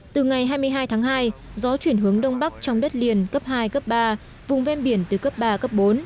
từ ngày hai mươi hai tháng hai gió chuyển hướng đông bắc trong đất liền cấp hai cấp ba vùng ven biển từ cấp ba cấp bốn